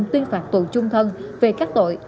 tuyên phạt tù chung thân về các tội